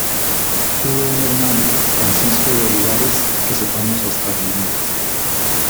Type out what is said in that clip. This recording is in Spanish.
Tuvo un hermano, Francisco de Olivares, que sepamos hasta el momento.